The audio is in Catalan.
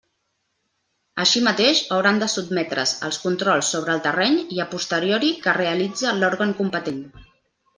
Així mateix, hauran de sotmetre's als controls sobre el terreny i a posteriori que realitze l'òrgan competent.